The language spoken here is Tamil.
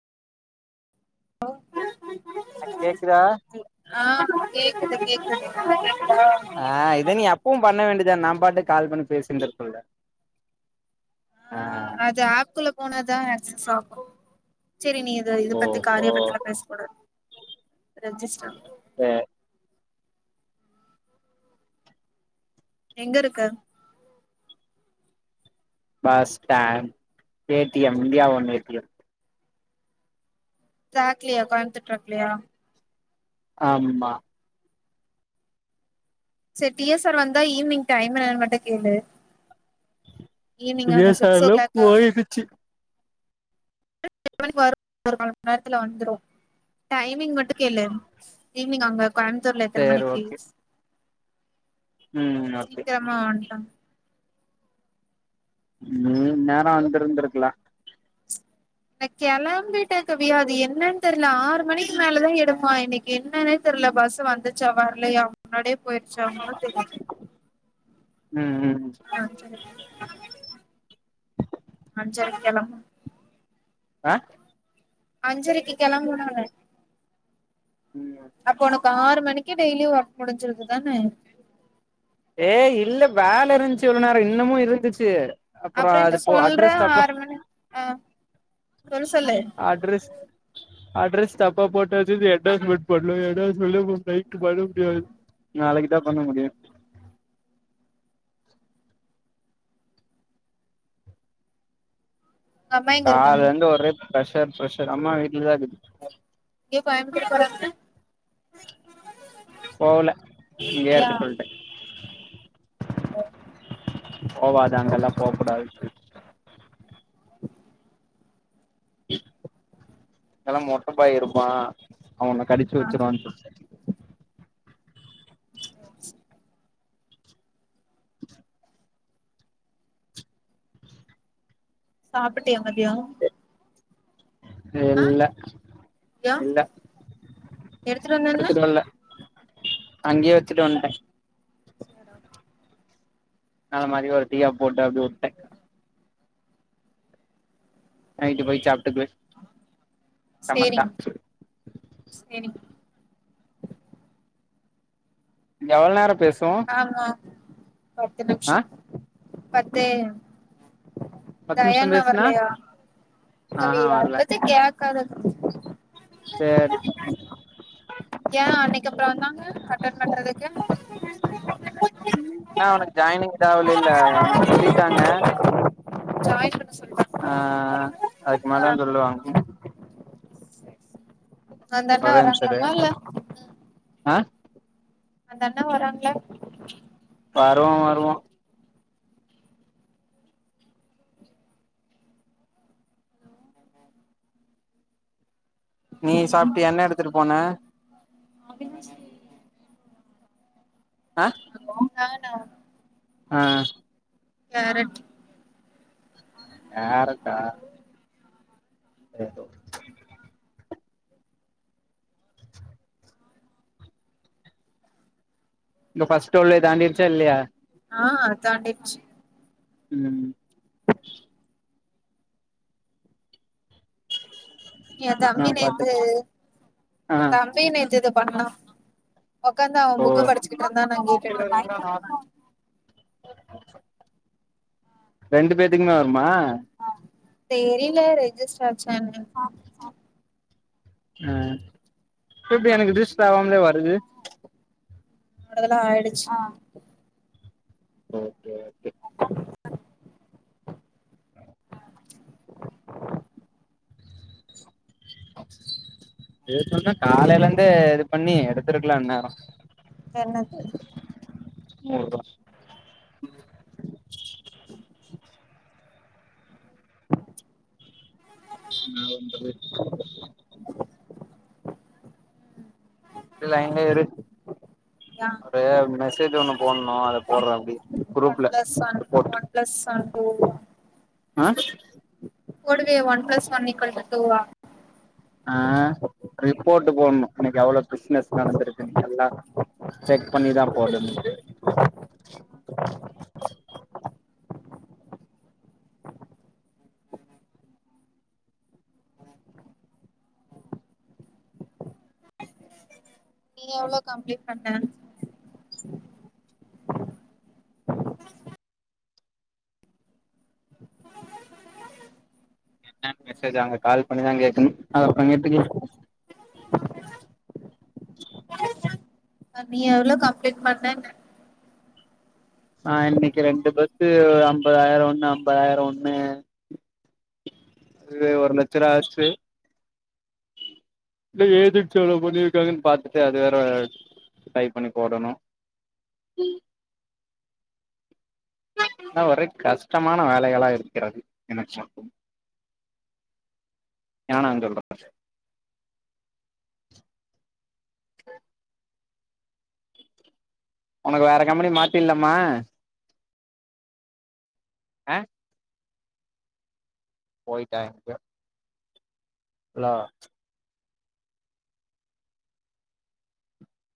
பாக்கல னா கேக்குதா ஆ கேக்குது கேக்குது கேக்குதா ஆ இத நீ அப்பவு பண்ண வேண்டியதா நா பாட்டு கால் பண்ணி பேசியிருந்திருப்பல்ல ஆ ஆஹ அது ஆப் குள்ள போனா தா ஆக்சஸ் ஆகோ செரி நீ இது ஓ பத்தி ஓ காரியபத்திலா பேச கூடாது ரெஜிஸ்டர் அ எங்க இருக்க bus stand A T M India one A T M ஜாக்லியா கோயம்முத்தூர் ட்ரிப்ளியா ஆமா செரி டி ஏ சார் வந்தா ஈவினிங் டைம் என்னனு மட்டு கேளு ஈவினிங் ஈ அங்க எஸ் சிக்ஸ் ஓ சார்லா கிளாக் போயிடுச்சி [unintelligible] ஒரு மணி நேரத்துல வந்துரு டைமிங் மட்டு கேளு ஈவினிங் அங்க கோயம்புத்தூர்ல எத்தன சேரி மணிக்கி ஓகே ம் ஓகே சீக்கிரமா வன்ட்டா உம் நீ இன்னேரோ வந்திருந்திருக்குலா நா கெளம்பிட்டே கவி அது என்னன்னு தெர்ல ஆறு மணிக்கு மேலதா எடுப்பா இன்னிக்கி என்னன்னே தெர்ல பஸ் வந்துச்சா வர்லயா முன்னாடியே போயிருச்சான்னு தெர்ல ம் ம் ஆ செரி ஆ செரி கெளம்பு ஆ அஞ்சரைக்கு ‌கெளம்புனாங்க ம் அப்ப உனக்கு ஆறு மணிக்கு டெய்லியு ஒர்க் முடிஞ்சிருந்துதானே ஏ இல்ல வேல இருந்துச்சு இவ்ளோ நேரோ இன்னமு இருந்துச்சு அப்புறோ அப்றோ என்ட்ட அது போ சொல்ற அட்ரஸ் தப்போ ஆறு மணி ஆ சொல்லு சொல்லு அட்ரஸ் அட்ரெஸ் தப்பா போட்டாச்சு இது என்லாட்ஜ்மெண்ட் பண்ணவே என்லாட்ஜ்மெண்ட்லயு இப்போ போயிட்டு பண்ண முடியாது நாளைக்கு தா பண்ண முடியு உங்க அம்மா எங்க இருக்காங்க காலந்து ஒரே ப்ரெஷர் ப்ரெஷர் அம்மா வீட்லதா இது ஏ கோயமுத்தூர் போறாங்க போவல இங்கே யா இருக்க சொல் ட்ட போவாத அங்கெல்லா போகக்கூடாது சொல் இதெல்லா மொட்டபாய் இருப்பா அவன கடிச்சு ஆ வச்சிருவான்ட்டு ஹ சாப்பிட்டியா மதியோ ஆ இல்ல யா இல்ல எடுத்துட்டு வர்ல அங்கேயே வச்சிட்டு அதா வந்ட்ட [unintelligible] நல்ல மாரியா ஒரு டீயா போட்டு அப்டியே உட்டே நைட்டு போயி சாப்ட்டுக்குவே சமத்தா சேரிங்க சேரிங்க எவ்ளோ நேரோ பேசுவோ ஆமா பத்து ஆ நிமிஷோ பத்தே பத்து நிமிஷ தயாண்ணா பேசுனா வர்லையா தம்பி ஆஹா அத வரல பத்தி கேக்காத சேர் ஏ அன்னைக்கு அப்புற வந்தாங்க அட்டென்ட் பண்றதுக்கு ஆனா அவனுக்கு ஜாய்னிங் தேவயிலேல்ல எனக்கு சொல்லிட்டாங்க ஜாயின் பண்ண சொல்ட்டாங்க ஆ அதுக்கு மேல தா சொல்லுவாங்க அந்த அண்ணா ஒரே நிமிஷ இரு வராங்களாமா இல்ல ஆ அந்த அண்ண வராங்களா வருவா வருவா நீ சாப்ட்டியா என்ன எடுத்துட்டு போன ஆப்வியஸ்லி ஆ ஆ ஹோம்க்காக நா ஆ கேரட் கேரெட்டா ஏதோ இந்த ஃபஸ்ட் ரோல்லே தாண்டிருச்சா இல்லையா ஆ அது தாண்டிருச்சு ம் ஏ நா தம்பி நேத்து பாட்டுக்கு ஆ ஏ தம்பி நேத்து இது பண்ணா ஒக்காந்து அவ ஓ புக்க படிச்சிட்டு இருந்தா நா கேட்டுட்டு இருந்த ரெண்டு பேர்த்துக்குமே வருமா தெரிலே ரெஜிஸ்டர் ஆச்சா என்னனு ஆ திருப்பி எனக்கு ரிஜிஸ்டர் ஆகாமலே வருது [unintelligible] ல்ல ஆயிடுச்சா ஓகே ஓகே இதுக்குந்தா காலையிலேருந்தே இது பண்ணி எடுத்துருக்கலா இந்நேரோ என்ன தெரியு நூறுவா ம் [inaudible] ந உங்கது லைன்ல இரு யா ஒரு மெசேஜ் ஒன்னு போட்ணு அத போடுறே அப்டி குரூப்ல போட்டு ப்ளஸ் [unintelligible] ஆ ஓடுதே one plus one equal to டூவா ஆ ரிப்போர்ட்ட் போட்ணு இன்னைக்கு எவ்ளோ பிசினஸ் நடந்துருக்குக்குன்டு எல்லா செக் பண்ணிதா போடுணு நீ எவ்ளோ கம்ப்லீட் பண்ண எ மெசேஜ் அங்க கால் பண்ணிதா கேகணு அத அப்ரோ கேட்டுக்கலா [unintelligible] நீ எவ்ளோ கம்ப்ளீட் பண்ணேண ஆ இன்னைக்கு ரெண்டு பஸ்ஸு அம்பதாயிரோ ஒண்ணு அம்பதாயிரோ ஒண்ணு அதுவே ஒரு லட்சரூவா ஆச்சு இதுல ஏஜென்சி எவ்ளோ பண்ணி இருக்காங்கன்னு பாத்துட்டு அது வேற டைப் பண்ணி போடணு அதா ஒரே கஷ்டமான வேலைகளா இருக்கிறது எனக்கு மட்டும் ஏனாங்க சொல் [unintelligible] ஒனக்கு வேற கம்பெனிகு மாத்திரலாமா ஆ போயிட்டா எங்கியோ அலோ